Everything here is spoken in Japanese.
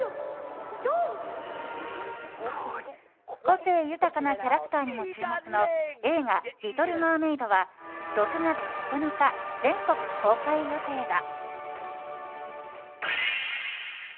個性豊かなキャラクターにも注目の映画「リトル・マーメイド」は６月９日、全国公開予定だ。